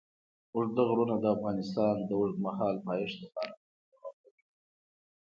اوږده غرونه د افغانستان د اوږدمهاله پایښت لپاره مهم رول لري.